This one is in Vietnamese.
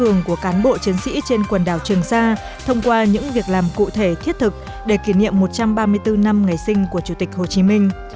tư tưởng của cán bộ chiến sĩ trên quần đảo trường sa thông qua những việc làm cụ thể thiết thực để kỷ niệm một trăm ba mươi bốn năm ngày sinh của chủ tịch hồ chí minh